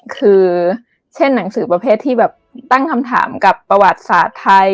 คือเช่นหนังสือประเภทที่แบบตั้งคำถามกับประวัติศาสตร์ไทย